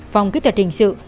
phòng kỹ thuật hình sự